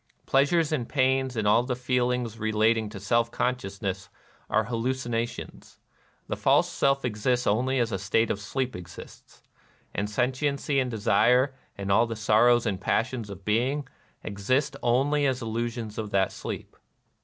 Pleasures and pains and all the feelings re lating to seK consciousness are hallucinations. The false self exists only as a state of sleep exists ; and sentiency and desire, and all the sorrows and passions of being, exist only as illusions of that sleep.